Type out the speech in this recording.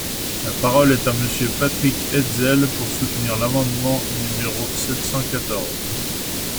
La parole est à Monsieur Patrick Hetzel, pour soutenir l’amendement numéro sept cent quatorze.